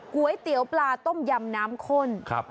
ก๋วยเตี๋ยวปลาต้มยำน้ำข้น